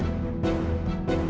aku mau pulang